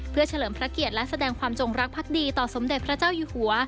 เพื่อเฉลิมพระเกียรติและแสดงความจงรักภักดีต่อสมเด็จพระเจ้าอยู่หัว